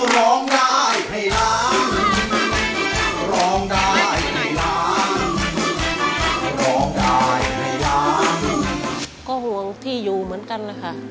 ล้อมหวงพี่อยู่เหมือนกันนะคะ